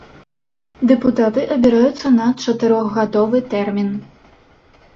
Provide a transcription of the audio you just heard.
Дэпутаты абіраюцца на чатырохгадовы тэрмін.